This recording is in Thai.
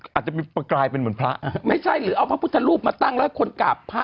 อาจจะกลายเป็นเหมือนพระไม่ใช่หรือเอาพระพุทธรูปมาตั้งแล้วให้คนกราบพระ